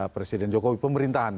presiden jokowi pemerintahan